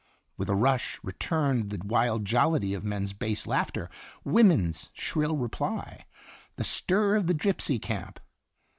With a rush returned the wild jollity of men's bass laughter, women's shrill reply, the stir of the gypsy camp.